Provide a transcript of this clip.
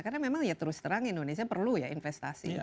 karena memang ya terus terang indonesia perlu ya investasi